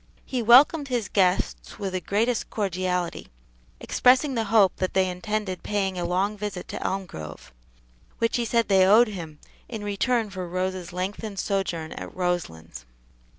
He welcomed his guests with the greatest cordiality, expressing the hope that they intended paying a long visit to Elmgrove, which he said they owed him in return for Rose's lengthened sojourn at Roselands.